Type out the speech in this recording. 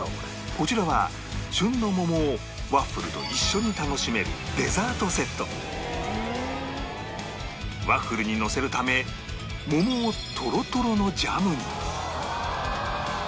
こちらは旬の桃をワッフルと一緒に楽しめるワッフルにのせるため桃をトロトロのジャムに